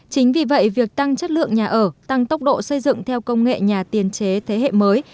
chính vì vậy việc tăng chất lượng nhà ở tăng tốc độ xây dựng theo công nghệ nhà tiền chế thế hệ mới